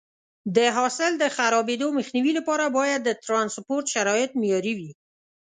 د حاصل د خرابېدو مخنیوي لپاره باید د ټرانسپورټ شرایط معیاري وي.